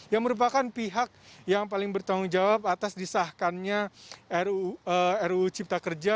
yang merupakan pihak yang paling bertanggung jawab atas disahkannya ruu cipta kerja